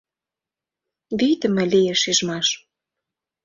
Вийдыме лие шижмаш.